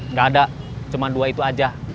nggak ada cuma dua itu aja